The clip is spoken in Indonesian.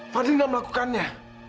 fadil gak melakukannya